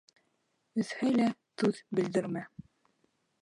— Өҙһә лә, түҙ, белдермә!..